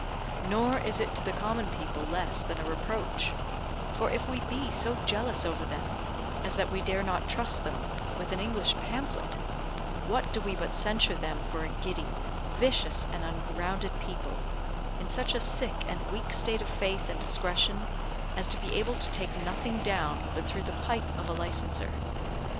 Nor is it to the common people less than a reproach; for if we be so jealous over them, as that we dare not trust them with an English pamphlet, what do we but censure them for a giddy, vicious, and ungrounded people; in such a sick and weak state of faith and discretion, as to be able to take nothing down but through the pipe of a licenser?